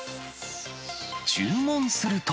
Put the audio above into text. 注文すると。